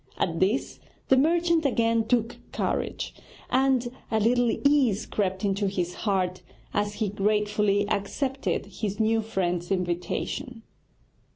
At this the merchant again took courage, and a little ease crept into his heart as he gratefully accepted his new friend's invitation.